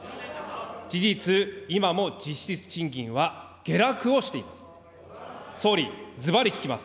事実、今も実質賃金は下落をしています。